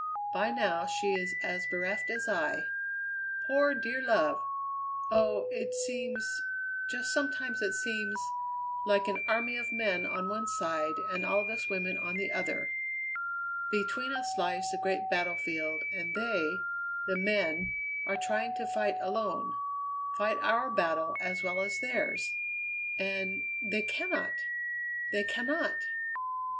By now she is as bereft as I; poor, dear love! Oh! it seems, just sometimes it seems, like an army of men on one side and all of us women on the other. Between us lies the great battlefield, and they, the men, are trying to fight alone fight our battle as well as theirs. And they cannot! they cannot!"